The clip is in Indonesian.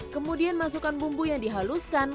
kemudian masukkan bumbu yang dihaluskan